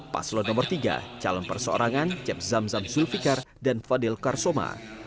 paslon nomor tiga calon perseorangan jeb zamzam zulfikar dan fadil karsoma